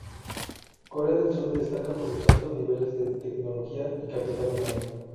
Corea del Sur destaca por los altos niveles de tecnología y capital humano.